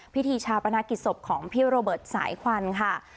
พิธีชาปนากิจศพของพี่โรเบิร์ตสายควันค่ะ